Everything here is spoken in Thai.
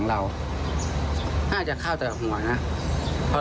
แล้วรู้สึกยังไงบ้างครับ